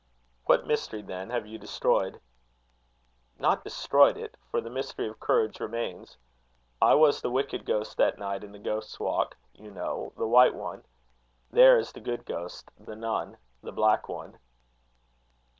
"What mystery, then, have you destroyed?" "Not destroyed it; for the mystery of courage remains. I was the wicked ghost that night in the Ghost's Walk, you know the white one: there is the good ghost, the nun, the black one."